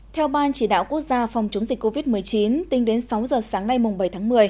theo ban chỉ đạo quốc gia phòng chống dịch covid một mươi chín tính đến sáu giờ sáng nay bảy tháng một mươi